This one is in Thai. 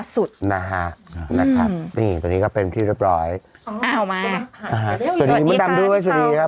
สวัสดีมดำด้วยสวัสดีครับ